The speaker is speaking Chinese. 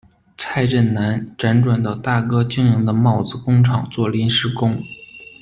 蔡振南辗转到大哥经营的帽子工厂做临时工。